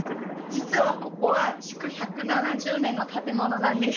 実はここは築１７０年の建物なんです。